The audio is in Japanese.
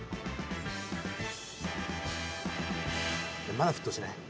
まだ沸騰しない？